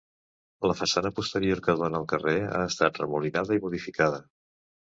La façana posterior, que dóna al carrer, ha estat remolinada i modificada.